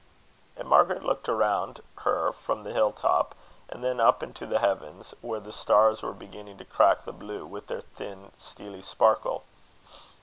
And Margaret looked around her from the hill top, and then up into the heavens, where the stars were beginning to crack the blue with their thin, steely sparkle.